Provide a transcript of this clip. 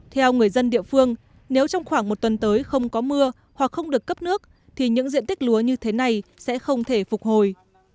theo người dân địa phương nếu trong khoảng một tuần tới không có mưa hoặc không được cấp nước thì những diện tích lúa như thế này sẽ không thể phục hồi